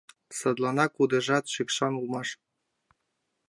Садланак кудыжат шикшан улмаш.